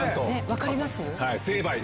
分かります。